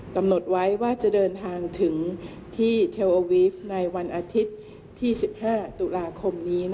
กำหนดไว้ว่าจะเดินทางถึงที่เทลโอวีฟในวันอาทิตย์ที่๑๕ตุลาคมนี้